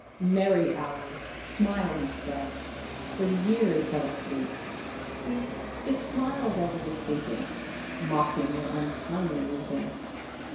Merry Hours, smile instead, For the Year is but asleep. See, it smiles as it is sleeping, _5 Mocking your untimely weeping.